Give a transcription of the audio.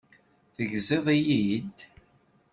Tegziḍ-iyi-d?